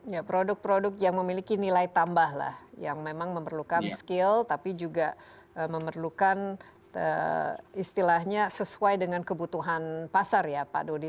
ya produk produk yang memiliki nilai tambah lah yang memang memerlukan skill tapi juga memerlukan istilahnya sesuai dengan kebutuhan pasar ya pak dodi